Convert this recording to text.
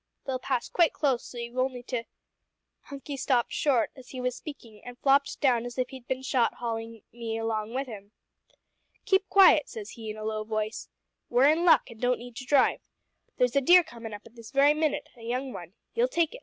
They'll pass quite close, so you've only to ' "Hunky stopped short as he was speakin' and flopped down as if he'd bin shot haulin' me along wi' him. "`Keep quiet,' says he, in a low voice. `We're in luck, an' don't need to drive. There's a deer comin' up at this very minute a young one. You'll take it.